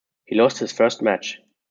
He lost his first match.